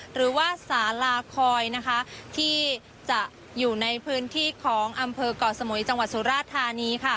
หรือว่าสาลาคอยนะคะที่จะอยู่ในพื้นที่ของอำเภอก่อสมุยจังหวัดสุราธานีค่ะ